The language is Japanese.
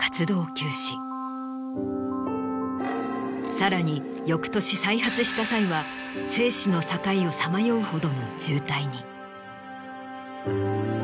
さらに翌年再発した際は生死の境をさまようほどの重体に。